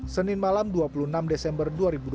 senin malam dua puluh enam desember dua ribu dua puluh